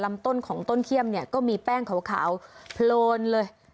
ลำต้นของต้นเข้มก็มีแป้งขาวโพรนเลย